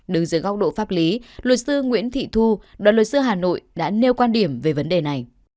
đứng dưới góc độ pháp lý luật sư nguyễn thị thu đoàn luật sư hà nội đã nêu quan điểm về vấn đề này